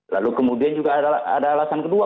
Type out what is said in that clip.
lalu kemudian juga ada alasan kedua